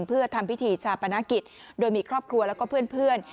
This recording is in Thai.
เพื่อทำพิธีชาปนกิจโดยมีครอบครัวแล้วก็เพื่อน